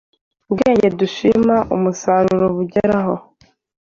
Ubwenge dushima umusaruro bugeraho,